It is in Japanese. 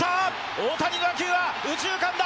大谷の打球は右中間だ。